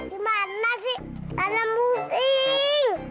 di mana sih tanam musing